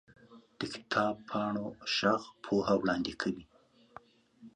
د کتاب پاڼو ږغ پوهه وړاندې کوي.